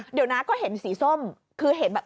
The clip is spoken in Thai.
เดี๋ยวนะก็เห็นสีส้มคือเห็นแบบ